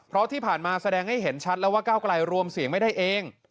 เพราะที่ผ่านมาแสดงให้เห็นชัดแล้วว่าก้าวไกลรวมเสียงไม่ได้เอง